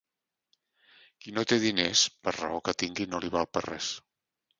Qui no té diners, per raó que tingui, no li val per res.